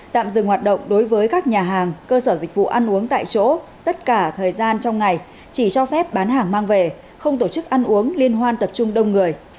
tạm dừng hoạt động đối với các nhà hàng cơ sở dịch vụ ăn uống tại chỗ tất cả thời gian trong ngày chỉ cho phép bán hàng mang về không tổ chức ăn uống liên hoan tập trung đông người